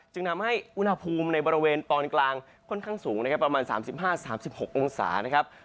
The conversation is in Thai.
จึงทำให้อุณหภูมิในบริเวณตอนกลางค่อนข้างสูงนะครับประมาณ๓๕๓๖องศานะครับ